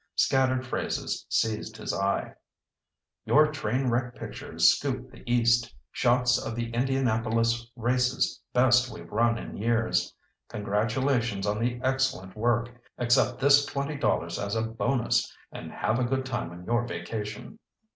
Scattered phrases seized his eye: "... Your train wreck pictures scooped the East.... shots of the Indianapolis races best we've run in years.... Congratulations on the excellent work! Accept this twenty dollars as a bonus, and have a good time on your vacation."